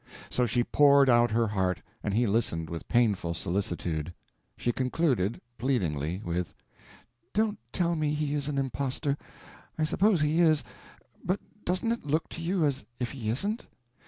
So she poured out her heart, and he listened with painful solicitude. She concluded, pleadingly, with— "Don't tell me he is an impostor. I suppose he is, but doesn't it look to you as if he isn't?